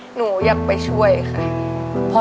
หนูอยากไปช่วยค่ะ